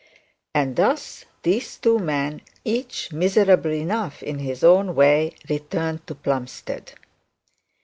And thus these two men, each miserable enough in his own way, returned to Plumstead.